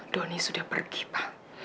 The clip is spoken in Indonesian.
doni sudah pergi pa